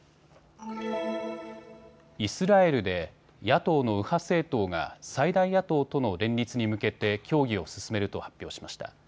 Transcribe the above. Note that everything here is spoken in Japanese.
イスラエルで野党の右派政党が最大野党との連立に向けて協議を進めると発表しました。